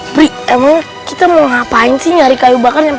pri emang kita mau ngapain sih nyari kayu bakar